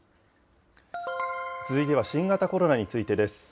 続いては新型コロナについてです。